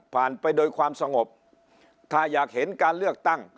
ไปโดยความสงบถ้าอยากเห็นการเลือกตั้ง